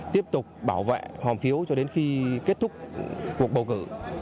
tiếp tục bảo vệ hòm phiếu cho đến khi kết thúc cuộc bầu cử